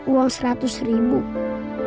uang seratus ribu